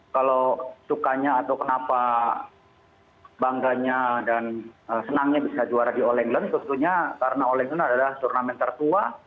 kalau sukanya atau kenapa bangganya dan senangnya bisa juara di all england tentunya karena all england adalah turnamen tertua